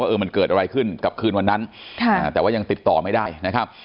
เออมันเกิดอะไรขึ้นกับคืนวันนั้นแต่ว่ายังติดต่อไม่ได้นะครับ